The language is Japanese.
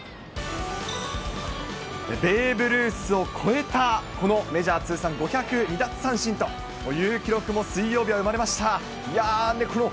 ベーブ・ルースを超えた、このメジャー通算５０２奪三振という記録も水曜日、生まれました。